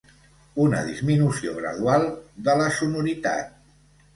Una disminució gradual de la sonoritat